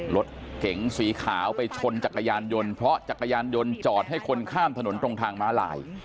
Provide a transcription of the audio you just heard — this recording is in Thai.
รถเก๋งสีขาวไปชนจักรยานยนต์เพราะจักรยานยนต์จอดให้คนข้ามถนนตรงทางม้าลาย